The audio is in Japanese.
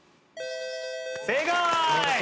正解！